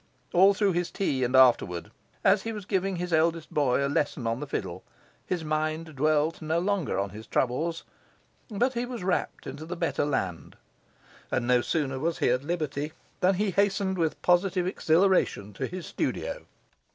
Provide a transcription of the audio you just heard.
All through his tea and afterward, as he was giving his eldest boy a lesson on the fiddle, his mind dwelt no longer on his troubles, but he was rapt into the better land; and no sooner was he at liberty than he hastened with positive exhilaration to his studio.